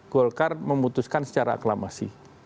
golkar memutuskan secara aklamasi